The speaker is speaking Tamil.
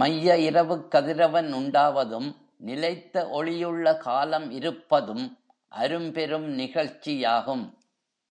மைய இரவுக் கதிரவன் உண்டாவதும், நிலைத்த ஒளியுள்ள காலம் இருப்பதும் அரும்பெரும் நிகழ்ச்சியாகும்.